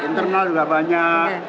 internal juga banyak